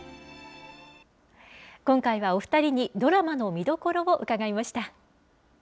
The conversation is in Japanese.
今回はお２人に、ドラマの見どころを伺いました。